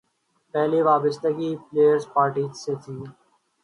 پہلی وابستگی peoples party سے تھی۔